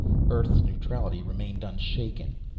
Earth's neutrality remained unshaken.